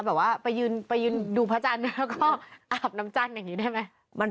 แบบว่าไปยืนดูพระจันตร์ก็อาบน้ำจันแบบนี้ได้ไหม